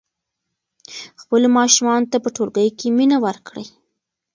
خپلو ماشومانو ته په ټولګي کې مینه ورکړئ.